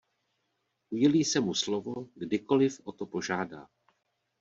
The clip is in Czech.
Udělí se mu slovo, kdykoliv o to požádá.